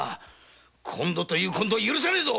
今度という今度は許さねえぞ！